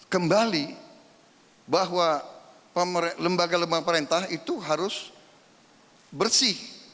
kembali bahwa lembaga lembaga pemerintah itu harus bersih